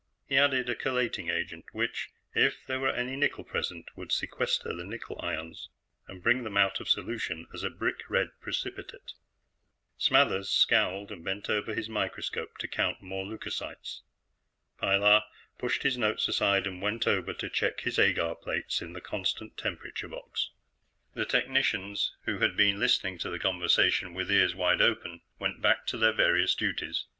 He added a chelating agent which, if there were any nickel present, would sequester the nickel ions and bring them out of solution as a brick red precipitate. Smathers scowled and bent over his microscope to count more leucocytes. Pilar pushed his notes aside and went over to check his agar plates in the constant temperature box. The technicians who had been listening to the conversation with ears wide open went back to their various duties.